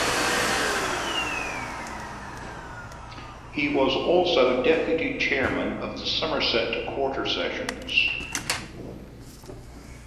He was also Deputy Chairman of the Somerset Quarter Sessions.